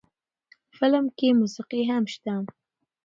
فلم کښې موسيقي هم شته